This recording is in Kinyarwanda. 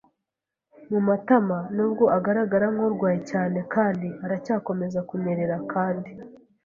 mumatama, nubwo agaragara nkuwarwaye cyane kandi aracyakomeza kunyerera kandi